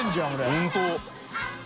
本当。